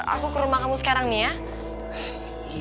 aku ke rumah kamu sekarang nih ya